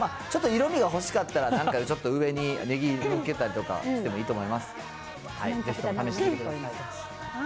ちょっと色みが欲しかったら、なんかちょっと上にネギのっけたりとかしてもいいと思います。